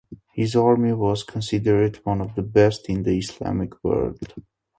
His army was considered one of the best in the Islamic world.